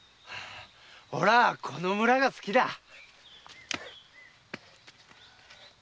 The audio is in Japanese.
おらあこの村が好きだ。